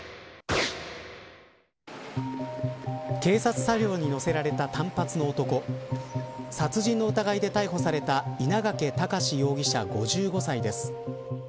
警察車両に乗せられた短髪の男殺人の疑いで逮捕された稲掛躍容疑者、５５歳です。